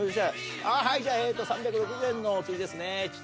「はいじゃあえっと３６０円のお釣りですね」